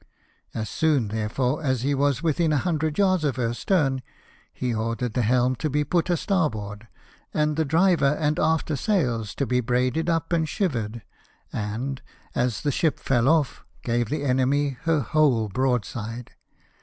As soon, therefore, as he was within a hundred yards of her stern, he ordered the helm to be put a starboard, and the driver and after sails to be trailed up and shivered, and, as the 78 LIFE OF NELSON. ship fell off, gave the enemy her whole broadside.